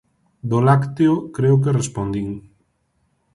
Do lácteo creo que respondín.